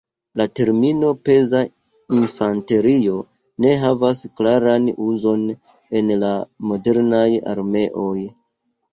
La termino "peza infanterio" ne havas klaran uzon en la modernaj armeoj.